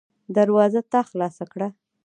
دروازه تا خلاصه کړه.